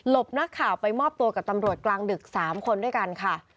บนักข่าวไปมอบตัวกับตำรวจกลางดึก๓คนด้วยกันค่ะ